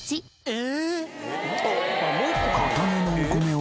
え！